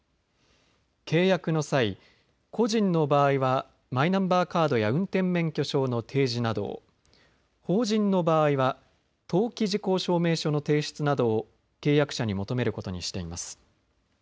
契約の際、個人の場合はマイナンバーカードや運転免許証の提示などを、法人の場合は登記事項証明書の提出などを契約者に求めることにしています。